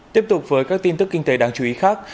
tiếp tục với các tin tức kinh tế đáng chú ý khác